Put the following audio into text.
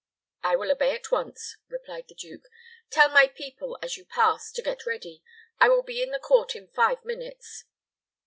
"I will obey at once," replied the duke. "Tell my people, as you pass, to get ready. I will be in the court in five minutes."